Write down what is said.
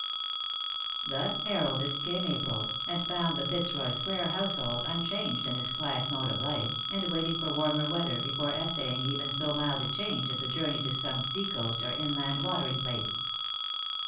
Thus heralded came April, and found the Fitzroy square household unchanged in its quiet mode of life, and waiting for ■ warmer weather before essaying even so mild a change as a journey to some sea coast or inland watering place.